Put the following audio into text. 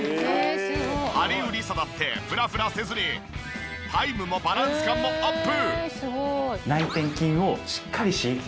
ハリウリサだってフラフラせずにタイムもバランス感もアップ！